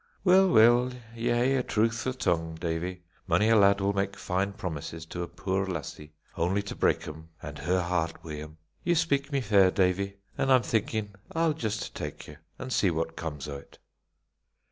"Weel, weel, ye hae a truthfu' tongue, Davie. Mony a lad will mak fine promises to a puir lassie, only to break 'em an' her heart wi' 'em. Ye speak me fair, Davie, and I'm thinkin' I'll just tak ye, an' see what comes o't."